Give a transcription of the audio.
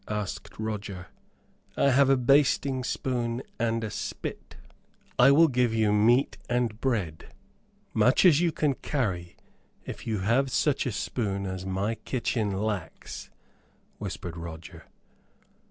asked Roger. "I have a basting spoon and a spit." "I will give you meat and bread much as you can carry if you have such a spoon as my kitchen lacks," whispered Roger.